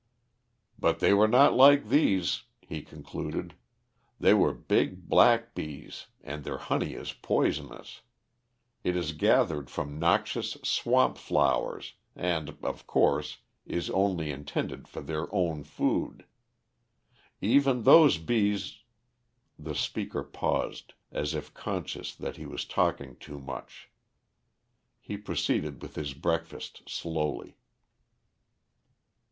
"But they were not like these," he concluded. "They were big black bees and their honey is poisonous. It is gathered from noxious swamp flowers and, of course, is only intended for their own food. Even those bees " The speaker paused, as if conscious that he was talking too much. He proceeded with his breakfast slowly.